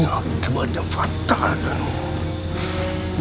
akibatnya fatal danung